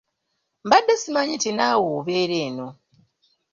Mbadde simanyi nti naawe obeera eno.